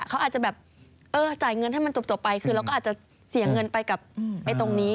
เขาอาจจะแบบเออจ่ายเงินให้มันจบไปคือเราก็อาจจะเสียเงินไปกับตรงนี้